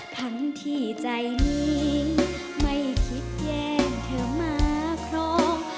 ทั้งที่ใจนี้ไม่คิดแย่งเธอมาครอง